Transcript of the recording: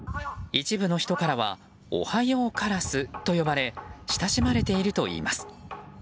一部の人からはオハヨウカラスといわれ親しまれているといいます。